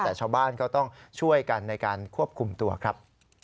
แต่ชาวบ้านก็ต้องช่วยกันในการควบคุมตัวครับ